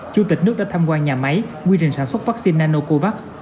chủ tịch nước đã tham quan nhà máy quy trình sản xuất vaccine nanocovax